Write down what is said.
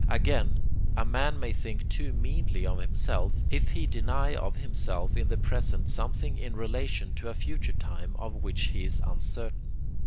Again, a man may think too meanly of himself, if he deny of himself in the present something in relation to a future time of which he is uncertain.